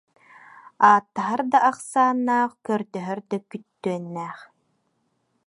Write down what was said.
Ааттаһар да ахсааннаах, көрдөһөр да күттүөннээх